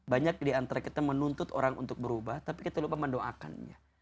banyak diantara kita menuntut orang untuk berubah tapi kita lupa mendoakannya